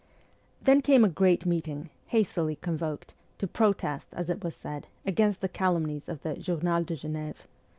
Then came a great meeting, hastily convoked, to protest, as it was said, against the calumnies of the ' Journal de Geneve.'